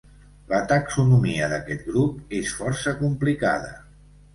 La taxonomia d'aquest grup és força complicada.